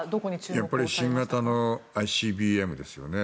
やっぱり新型のＩＣＢＭですよね。